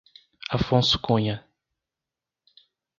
Afonso Cunha